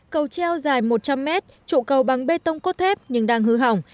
cầu treo dài một trăm linh mét trụ cầu bằng bê tông cốt thép nhưng đang hư hỏng